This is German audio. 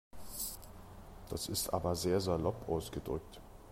Das ist aber sehr salopp ausgedrückt.